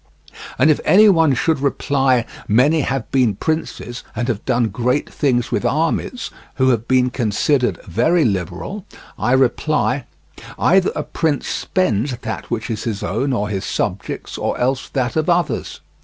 And if any one should reply: Many have been princes, and have done great things with armies, who have been considered very liberal, I reply: Either a prince spends that which is his own or his subjects' or else that of others.